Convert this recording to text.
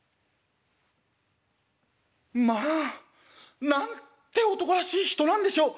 「『まあなんて男らしい人なんでしょう。